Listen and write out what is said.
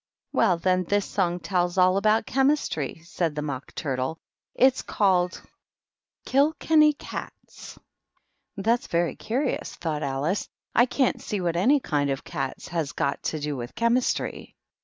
Well, then, this song tells all about Chem istry," said the Mock Turtle ;" it's called ' KiU kenny Cats.' " That's very curious," Alice thought. " I can't see what any kind of cats has got to do with Chemistry."